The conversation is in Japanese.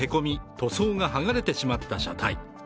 塗装が剥がれてしまった車体。